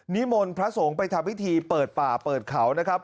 นิมนต์พระสงฆ์ไปทำพิธีเปิดป่าเปิดเขานะครับ